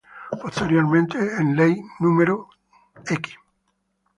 Posteriormente, en ley No.